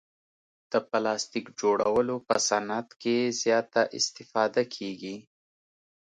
د پلاستیک جوړولو په صعنت کې زیاته استفاده کیږي.